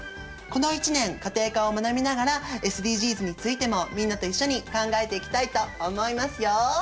この１年家庭科を学びながらＳＤＧｓについてもみんなと一緒に考えていきたいと思いますよ。